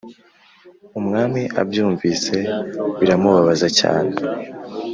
Umwami abyumvise biramubabaza cyane